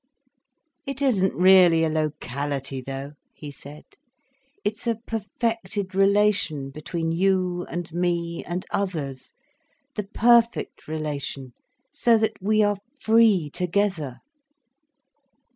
"It isn't really a locality, though," he said. "It's a perfected relation between you and me, and others—the perfect relation—so that we are free together."